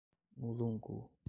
Mulungu